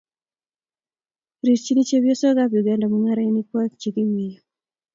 rirchini chepyosokab Tanzania mung'arenikwak che kimeiyo